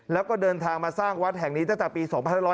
แล้วก็เดินทางมาสร้างวัดแห่งนี้ตั้งแต่ปี๒๕๖๐